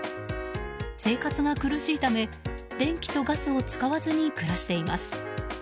生活が苦しいため、電気とガスを使わずに暮らしています。